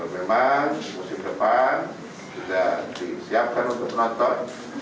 memang musim depan sudah disiapkan untuk penonton